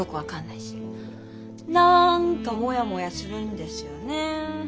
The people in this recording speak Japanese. なんかモヤモヤするんですよね。